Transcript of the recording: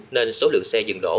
nên số lượng xe dừng đỗ